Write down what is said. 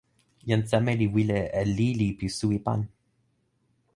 jan seme li wile e lili pi suwi pan.